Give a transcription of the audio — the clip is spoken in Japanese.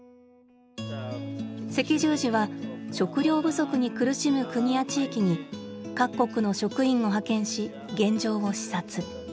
赤十字は食料不足に苦しむ国や地域に各国の職員を派遣し現状を視察。